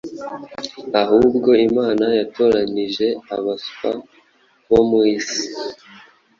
Ahubwo Imana yatoranije abaswa bo mu isi,